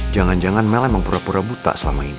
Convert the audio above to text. jangan jangan mel emang pura pura buta selama ini